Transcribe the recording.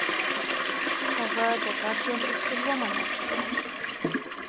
هغه د ګډ ژوند اصول ومنل.